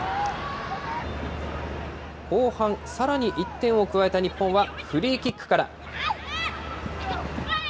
後半、さらに１点を加えた日本はフリーキックから。